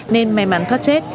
nên may mắn thoát chết